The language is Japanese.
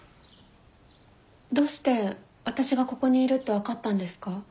どうして私がここにいるって分かったんですか？